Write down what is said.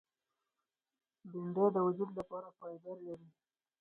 بېنډۍ د وجود لپاره فایبر لري